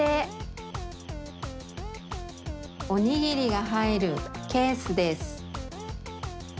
おにぎりがはいるケースです。